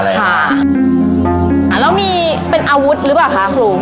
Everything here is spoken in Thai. แล้วมีเป็นอาวุธรึเปล่ามั้ยคะครู